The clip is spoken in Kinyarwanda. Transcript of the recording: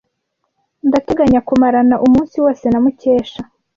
Ndateganya kumarana umunsi wose na Mukesha.